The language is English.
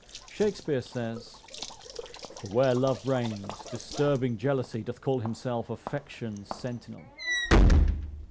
Shakspeare says, "For where love reigns, disturbing jealousy Doth call himself affection's sentinel."